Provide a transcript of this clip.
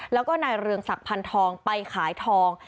แล้วก็นายเรืองศักดิ์พันธองไปขายทอง